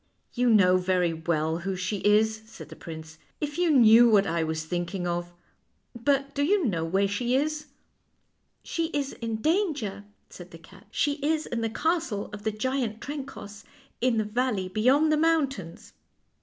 " You know very well who she is," said the prince, "if you knew what I was thinking of; but do you know where she is? "" She is in danger," said the cat. " She is in the castle of the giant Trencoss, in the valley beyond the mountains."